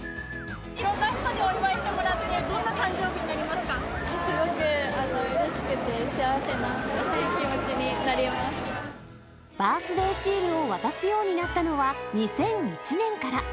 いろんな人にお祝いしてもらすごくうれしくて、バースデーシールを渡すようになったのは、２００１年から。